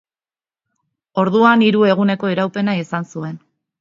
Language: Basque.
Orduan hiru eguneko iraupena izan zuen.